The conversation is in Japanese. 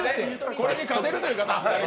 これで勝てるという方！